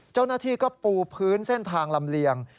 เจ้าหน้าที่ก็ปูพื้นเส้นทางลำเลียง